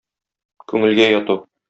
Күңелгә яту.